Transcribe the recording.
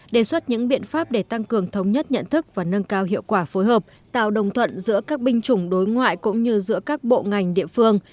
đề xuất những biện pháp để tăng cường thống nhất nhận thức và nâng cao hiệu quả phối hợp tạo đồng thuận giữa các binh chủng đối ngoại cũng như giữa các bộ ngành địa phương